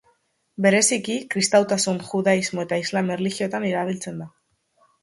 Bereziki, kristautasun, judaismo eta islam erlijioetan erabiltzen da.